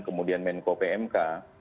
kemudian menko pmk